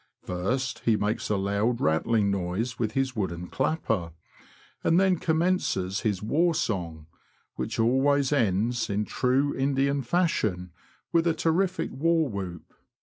First, he makes a loud, rattling noise with his wooden clapper, and then commences his war song, w^hich always ends, in true Indian fashion, with a terrific war whoop.